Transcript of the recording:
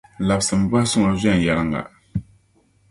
Labisimi bɔhisi ŋɔ viɛnyɛliŋa.